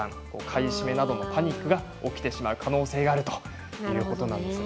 買い占めなどのパニックが起きてしまう可能性があるということなんです。